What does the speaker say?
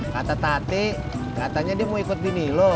kata tate katanya dia mau ikut bini lu